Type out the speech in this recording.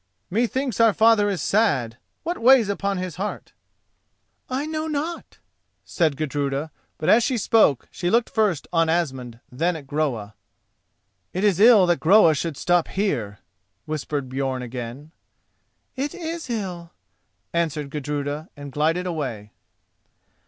"Methinks our father is sad. What weighs upon his heart?" "I know not," said Gudruda, but as she spoke she looked first on Asmund, then at Groa. "It is ill that Groa should stop here," whispered Björn again. "It is ill," answered Gudruda, and glided away.